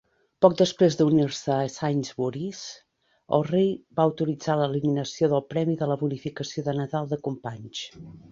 Poc després d'unir-se a Sainsbury's, el rei va autoritzar l'eliminació del premi de la bonificació de Nadal de companys.